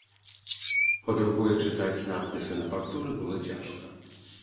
Па-другое, чытаць надпісы на фрактуры было цяжка.